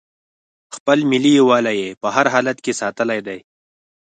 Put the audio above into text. خپل ملي یووالی یې په هر حالت کې ساتلی دی.